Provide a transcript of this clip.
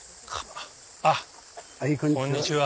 こんにちは。